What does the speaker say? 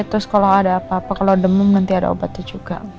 terus kalau ada apa apa kalau demung nanti ada obatnya juga